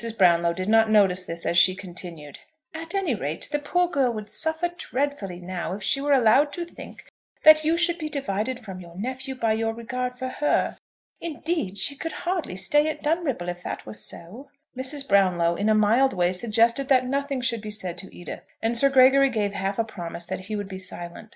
Brownlow did not notice this as she continued, "At any rate the poor girl would suffer dreadfully now if she were allowed to think that you should be divided from your nephew by your regard for her. Indeed, she could hardly stay at Dunripple if that were so." Mrs. Brownlow in a mild way suggested that nothing should be said to Edith, and Sir Gregory gave half a promise that he would be silent.